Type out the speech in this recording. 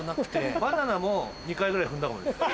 バナナも２回ぐらい踏んだかもです。